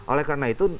oleh karena itu